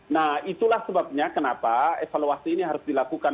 nah itulah sebabnya kenapa evaluasi ini harus dilakukan